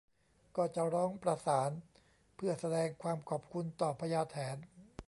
ก็จะร้องประสานเพื่อแสดงความขอบคุณต่อพญาแถน